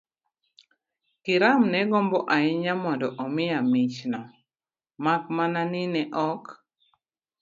kiram ne gombo ahinya mondo omiya michno, mak mana ni ne ok